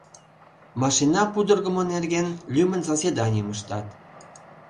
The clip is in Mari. Машина пудыргымо нерген лӱмын заседанийым ыштат.